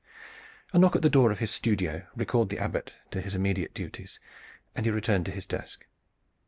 A knock at the door of his studio recalled the Abbot to his immediate duties, and he returned to his desk.